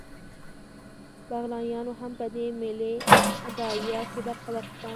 بغلانیانو هم په دې ملي داعیه کې برخه واخیسته